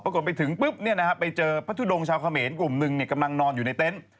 ไปถึงปุ๊บไปเจอพระทุดงชาวเขมรกลุ่มหนึ่งกำลังนอนอยู่ในเต็นต์